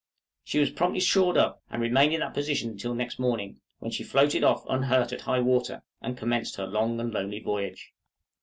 She was promptly shored up, and remained in that position until next morning, when she floated off unhurt at high water, and commenced her long and lonely voyage.